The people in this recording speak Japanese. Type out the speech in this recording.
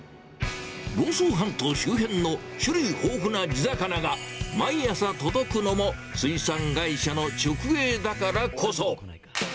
房総半島周辺の種類豊富な地魚が毎朝届くのも水産会社の直営だからこそ。